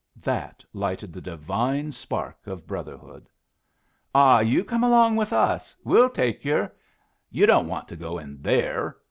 That lighted the divine spark of brotherhood! "Ah, you come along with us we'll take yer! You don't want to go in there.